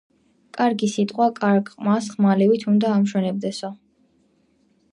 არგი სიტყვა კარგ ყმას ხმალივით უნდა ამშვენებდესო